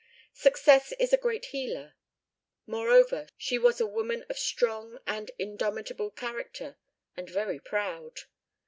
Success is a great healer. Moreover, she was a woman of strong and indomitable character, and very proud.